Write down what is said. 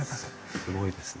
すごいですね。